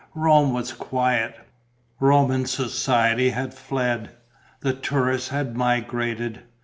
Rome was quiet: Roman society had fled; the tourists had migrated.